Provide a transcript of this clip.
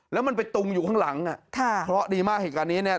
แล้วมันไปตุงอยู่ข้างหลังดีมากเหตุการณ์นี้เนี่ย